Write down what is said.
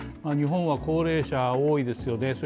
日本は高齢者、多いですよね。